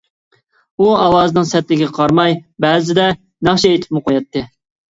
ئۇ ئاۋازىنىڭ سەتلىكىگە قارىماي بەزىدە ناخشا ئېيتىپمۇ قوياتتى.